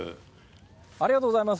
ありがとうございます。